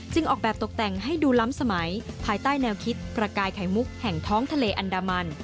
ออกแบบตกแต่งให้ดูล้ำสมัยภายใต้แนวคิดประกายไข่มุกแห่งท้องทะเลอันดามัน